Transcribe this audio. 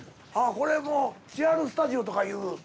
これもう千春スタジオとかいう。